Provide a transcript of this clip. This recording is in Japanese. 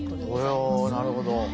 おなるほど。